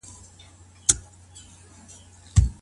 الله تعالی په شريعت کي اسراف ولي منع کړی دی؟